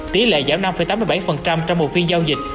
tỷ lệ giảm năm tám mươi bảy trong một phiên giao dịch